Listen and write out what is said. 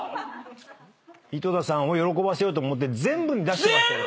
井戸田さんを喜ばせようと思って全部に出してましたよ。